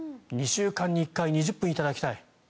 ２週間に１回、２０分頂きたい。